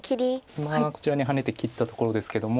今こちらにハネて切ったところですけども。